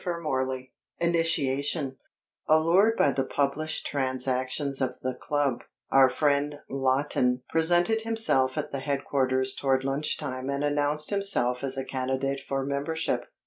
INITIATION Allured by the published transactions of the club, our friend Lawton presented himself at the headquarters toward lunch time and announced himself as a candidate for membership.